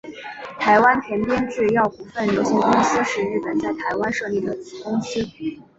台湾田边制药股份有限公司是日本在台湾设立的子公司。